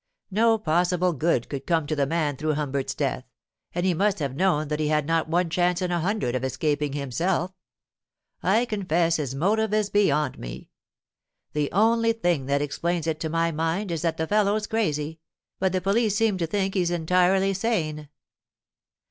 No possible good could come to the man through Humbert's death, and he must have known that he had not one chance in a hundred of escaping himself—I confess his motive is beyond me. The only thing that explains it to my mind is that the fellow's crazy, but the police seem to think he's entirely sane.